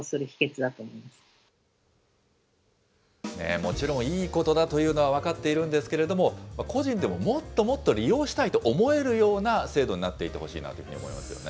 もちろん、いいことだというのは分かっているんですけれども、個人でももっともっと利用したいと思えるような制度になっていってほしいなというふうに思いますよね。